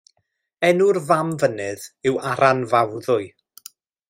Enw'r fam fynydd yw Aran Fawddwy.